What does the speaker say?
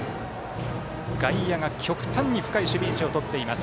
外野が極端に深い守備位置をとっています。